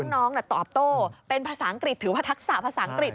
น้องตอบโต้เป็นภาษาอังกฤษถือว่าทักษะภาษาอังกฤษ